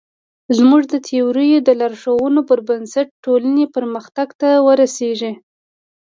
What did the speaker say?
زموږ د تیورۍ د لارښوونو پر بنسټ ټولنې پرمختګ ته ورسېږي.